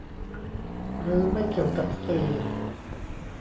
หรือไม่เกี่ยวกับสื่อ